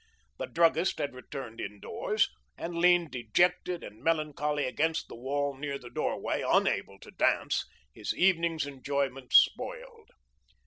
The druggist had returned indoors, and leaned dejected and melancholy against the wall near the doorway, unable to dance, his evening's enjoyment spoiled.